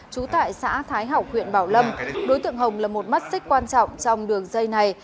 trú tại xã thái hảo huyện bảo lâm đối tượng hồng là một mắt xích quan trọng trong đường dây này